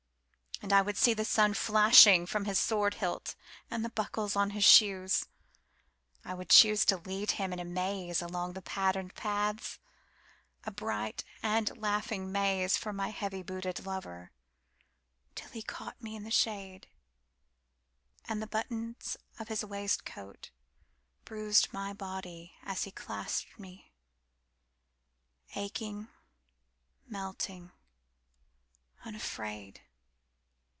I should see the sun flashing from his sword hilt and the buckles on his shoes.I would chooseTo lead him in a maze along the patterned paths,A bright and laughing maze for my heavy booted lover, Till he caught me in the shade, And the buttons of his waistcoat bruised my body as he clasped me, Aching, melting, unafraid.